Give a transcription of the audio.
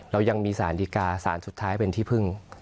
เรายังมีสารดีการสารสุดท้ายเป็นที่พึ่ง